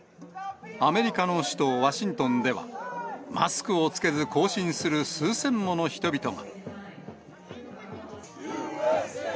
アメリカの首都ワシントンでは、マスクを着けず行進する、数千もの人々が。